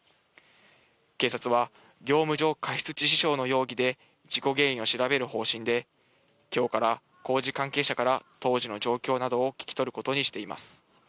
警察は業務上過失致死傷の容疑で事故原因を調べる方針で、今日、工事関係者から当時の状況などを聞き取ることにしています。